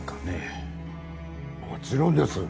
もちろんです。